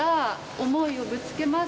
思いをぶつけます。